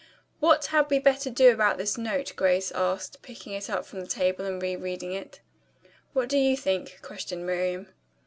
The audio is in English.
"What had we better do about this note?" Grace asked, picking it up from the table and re reading it. "What do you think?" questioned Miriam.